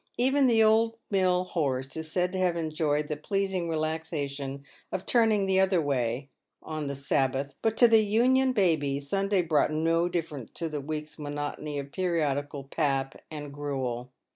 Even the old mill horse is said to have enjoyed the pleasing relaxation of turning the other way on the Sabbath, but to the Union babies Sunday brought no difference to the week's monotony of periodical pap and gruel.